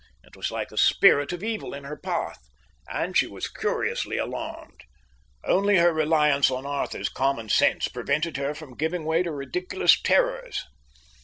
It was like a spirit of evil in her path, and she was curiously alarmed. Only her reliance on Arthur's common sense prevented her from giving way to ridiculous terrors.